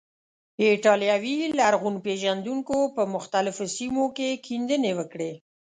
ایټالوي لرغون پیژندونکو په مختلفو سیمو کې کیندنې وکړې.